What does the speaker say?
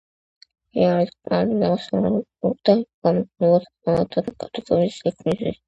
ხე არის მყარი მასალა და გამოიყენება საწვავად და ნაკეთობების შექმნისთვის.